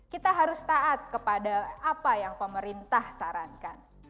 kita harus taat kepada apa yang pemerintah sarankan